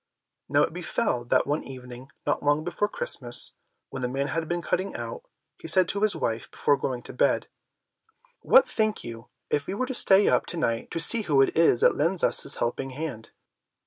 Now it befell that one evening not long before Christmas, when the man had been cutting out, he said to his wife, before going to bed, "What think you if we were to stay up to night to see who it is that lends us this helping hand?"